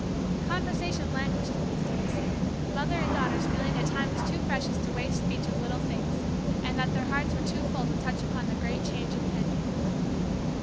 Conversation languished in these days; mother and daughters feeling that time was too precious to waste speech of little things, and that their hearts were too full to touch upon the great change impending.